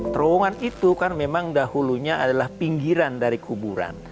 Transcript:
terowongan itu kan memang dahulunya adalah pinggiran dari kuburan